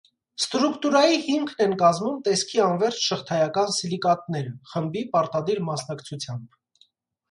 Ստրուկտուրայի հիմքն են կազմում տեսքի անվերջ շղթայական սիլիկատները՝ խմբի պարտադիր մասնակցությամբ։